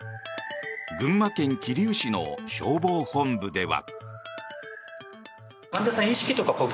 群馬県桐生市の消防本部では。